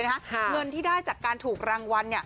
เงินที่ได้จากการถูกรางวัล